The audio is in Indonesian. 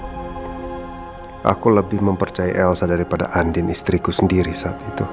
tapi aku lebih mempercayai elsa daripada andin istriku sendiri saat itu